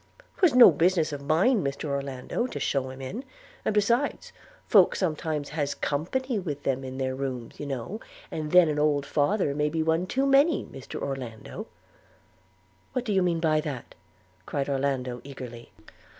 ''Twas no business of mine, Mr Orlando, to shew him in; and besides, folks sometimes has company with them in their rooms, you know; and then an old father may be one too many, Mr Orlando.' 'What do you mean by that?' cried Orlando eagerly.